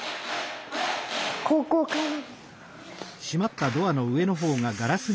ここかな。